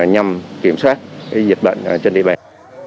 nhằm kiểm soát cái d serve trên địa bàn